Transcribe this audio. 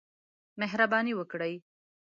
مهرباني وکړئ